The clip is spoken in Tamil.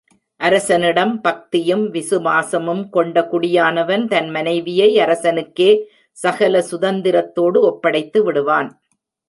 அரசனிடம் பக்தியும், விசுவாசமும் கொண்ட குடியானவன் தன் மனைவியை அரசனுக்கே சகல சுதந்திரத்தோடு ஒப்படைத்து விடுவான்.